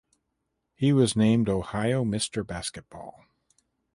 He was named Ohio Mister Basketball.